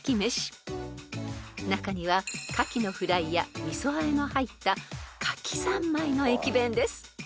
［中にはカキのフライや味噌あえも入ったカキ三昧の駅弁です］